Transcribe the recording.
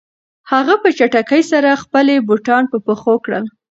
هغه په چټکۍ سره خپلې بوټان په پښو کړل.